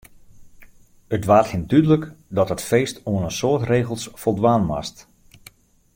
It waard him dúdlik dat it feest oan in soad regels foldwaan moast.